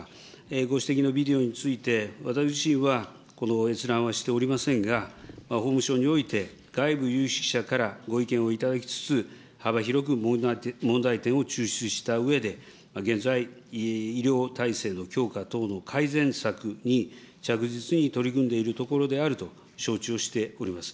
ご指摘のビデオについて、私自身はこの閲覧はしておりませんが、法務省において外部有識者からご意見を頂きつつ、幅広く問題点を抽出したうえで、現在、医療体制の強化等の改善策に着実に取り組んでいるところであると承知をしております。